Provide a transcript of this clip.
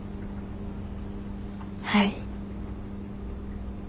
はい。